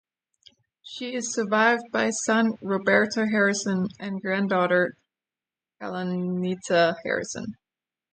She is survived by son, Roberto Harrison, and granddaughter, Callanita Harrison.